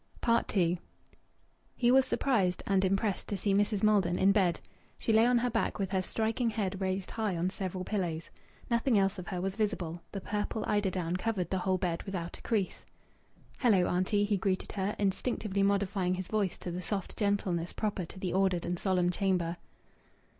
II He was surprised, and impressed, to see Mrs. Maldon in bed. She lay on her back, with her striking head raised high on several pillows. Nothing else of her was visible; the purple eider down covered the whole bed without a crease. "Hello, auntie!" he greeted her, instinctively modifying his voice to the soft gentleness proper to the ordered and solemn chamber.